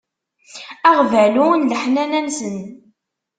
Aɣbalu n leḥnana-nsen.